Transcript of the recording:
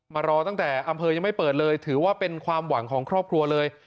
มารอตั้งแต่อำเภอยังไม่เปิดเลยถือว่าเป็นความหวังของครอบครัวเลย